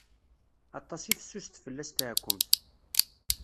Atas i fessuset fell-as teɛkumt.